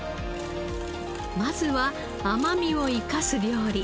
まずは甘みを生かす料理。